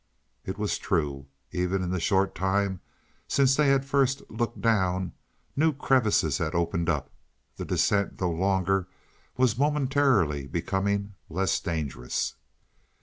It was true. Even in the short time since they had first looked down, new crevices had opened up. The descent, though longer, was momentarily becoming less dangerous.